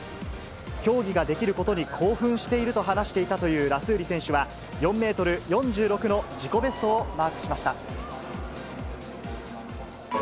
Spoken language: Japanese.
競技ができることに興奮していると話していたというラスーリ選手は、４メートル４６の自己ベストをマークしました。